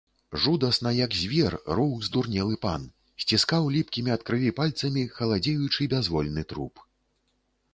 Жудасна, як звер, роў здурнелы пан, сціскаў ліпкімі ад крыві пальцамі халадзеючы бязвольны труп.